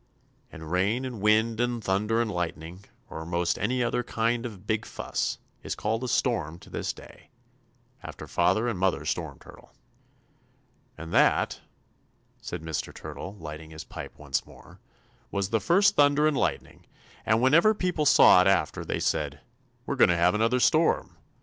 And rain and wind and thunder and lightning, or most any other kind of a big fuss, is called a 'storm' to this day, after Father and Mother Storm Turtle." [Illustration: SLOP AND SPLASH AND PADDLE.] "And that," said Mr. Turtle, lighting his pipe once more, "was the first thunder and lightning, and whenever people saw it after that they said, 'We're going to have another storm!'